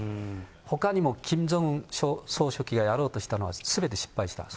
ほかにもキム・ジョンウン総書記がやろうとしたのはすべて失敗しています。